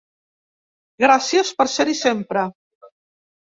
Gràcies per ser-hi sempre.